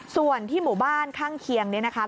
ส่วนที่หมู่บ้านข้างเคียงเนี่ยนะคะ